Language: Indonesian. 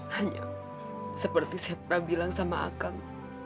hanya seperti saya pernah bilang sama akang